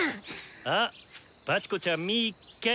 あっバチコちゃんみっけ！